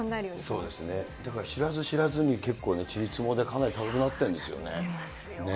そうですね、知らず知らずに、かなりちりつもでかなり高くなってるんですよ。